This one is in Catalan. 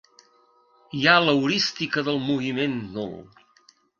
Hi ha l'heurística del moviment nul.